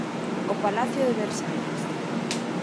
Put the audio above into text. O Palacio de Versalles.